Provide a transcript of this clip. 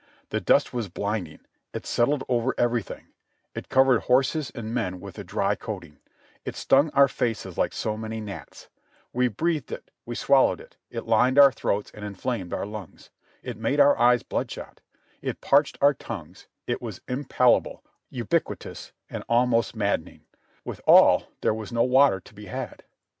The dust was blinding, it settled over everything; it covered horses and men with a dry coating, it stung our faces like so many gnats ; we breathed it, we swallowed it, it lined our throats and inflamed our lungs, it made our eyes blood shot, it parched our tongues, it was impalpable, ubiquitous, and almost maddening; withal there was no water to be had.